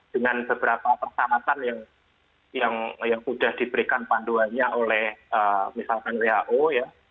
dengan beberapa persyaratan yang sudah diberikan panduannya oleh misalkan who ya